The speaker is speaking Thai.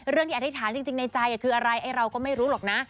ที่อธิษฐานจริงในใจคืออะไรไอ้เราก็ไม่รู้หรอกนะ